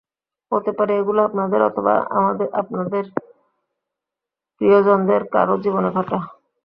হতে পারে এগুলো আপনাদের অথবা আপনাদের প্রিয়জনদের কারও জীবনে ঘটা।